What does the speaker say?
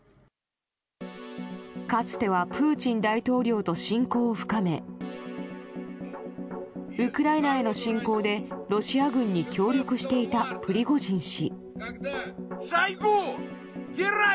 かつてはプーチン大統領と親交を深めウクライナへの侵攻でロシア軍に協力していたプリゴジン氏。